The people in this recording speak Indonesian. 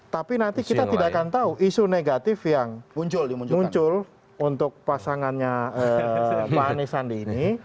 tapi nanti kita tidak akan tahu isu negatif yang muncul untuk pasangannya pak anies sandi ini